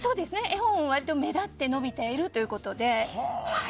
絵本は目立って伸びているということで。